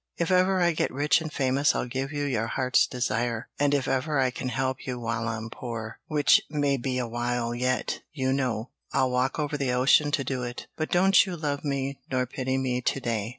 If ever I get rich and famous I'll give you your heart's desire, and if ever I can help you while I'm poor which may be a while yet, you know I'll walk over the ocean to do it. But don't you love me nor pity me to day."